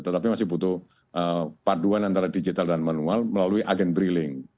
tetapi masih butuh paduan antara digital dan manual melalui agen briling